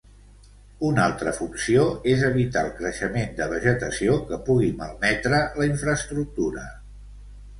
Una altra funció és evitar el creixement de vegetació que pugui malmetre la infraestructura.